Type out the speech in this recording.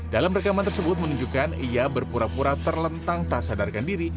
dalam rekaman tersebut menunjukkan ia berpura pura terlentang tak sadarkan diri